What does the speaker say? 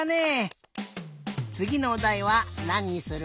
つぎのおだいはなんにする？